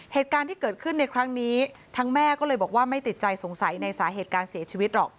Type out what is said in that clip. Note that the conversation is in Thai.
เหตุการณ์ที่เกิดขึ้นในครั้งนี้ทั้งแม่ก็เลยบอกว่าไม่ติดใจสงสัยในสาเหตุการเสียชีวิตหรอก